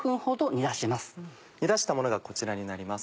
煮出したものがこちらになります。